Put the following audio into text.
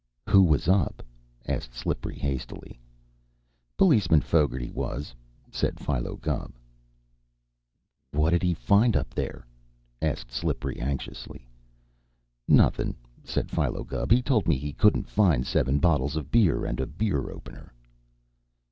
"Who was up?" asked Slippery hastily. "Policeman Fogarty was," said Philo Gubb. "What'd he find up there?" asked Slippery anxiously. "Nothin'," said Philo Gubb. "He told me he couldn't find seven bottles of beer and a beer opener."